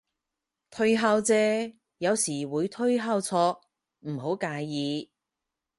推敲啫，有時會推敲錯，唔好介意